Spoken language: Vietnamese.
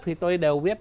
thì tôi đều viết